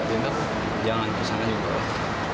terus jangan kesalahan juga ya